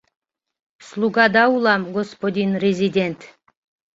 — Слугада улам, господин резидент!